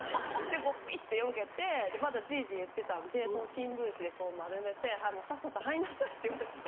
でこうぴってよけてまだジジいってたんで新聞紙でこう丸めて「さっさと入んなさい」って言われて。